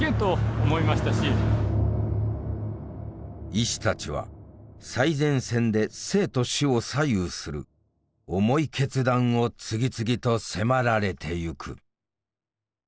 医師たちは最前線で生と死を左右する重い決断を次々と迫られていく。